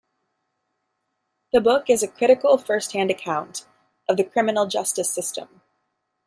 The book is a critical first hand account of the criminal justice system.